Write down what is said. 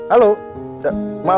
aku jalan ya